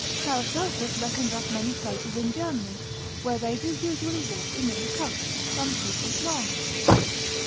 Paracelsus reckons up many places in Germany, where they do usually walk in little coats, some two feet long.